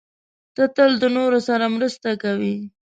ته تل د نورو سره مرسته کوې.